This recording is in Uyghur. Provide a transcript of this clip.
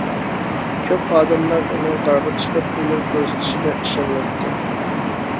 كۆپ ئادەملەر ئۇنىڭ دارغا چىقىپ ئويۇن كۆرسىتىشىگە ئىشەنمەيتتى.